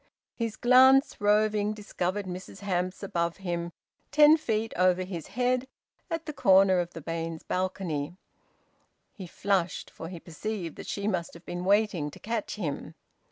His glance, roving, discovered Mrs Hamps above him, ten feet over his head, at the corner of the Baines balcony. He flushed, for he perceived that she must have been waiting to catch him.